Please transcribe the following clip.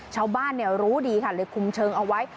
ชาวบ้านรู้ดีค่ะเลยคุมเชิงเอาไว้